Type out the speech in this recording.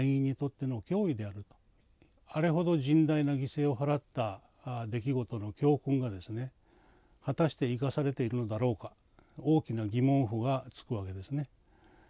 あれほど甚大な犠牲を払った出来事の教訓がですね果たして生かされているのだろうか大きな疑問符がつくわけですね。